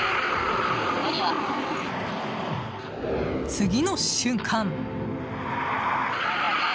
次の瞬間。